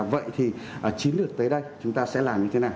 vậy thì chính được tới đây chúng ta sẽ làm như thế nào